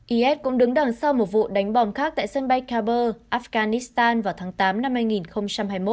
is cũng đứng đằng sau một vụ đánh bom khác tại sân bay kabur afghanistan vào tháng tám năm hai nghìn hai mươi một